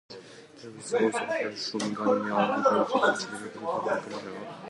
There is also a film room showing anime and technology-related videos from popular culture.